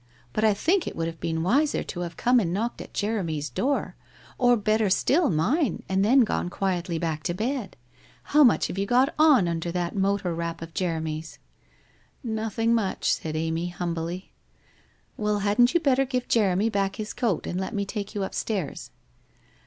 But I think it would have been wiser to have come and knocked at Jeremy's door, or better still, mine, and then gone quietly back to bed. How much have you got on under that motor wrap of Jeremy's ?'' Nothing much/ said Amy, humbly. ' Well, hadn't you better give Jeremy back his coat and let me take you upstairs